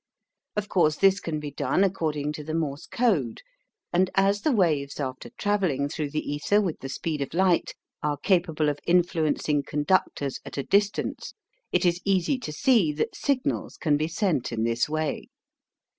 Of course this can be done according to the Morse code; and as the waves after travelling through the ether with the speed of light are capable of influencing conductors at a distance, it is easy to see that signals can be sent in this way.